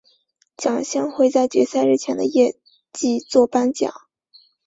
奖项会在决赛日前的夜祭作颁奖。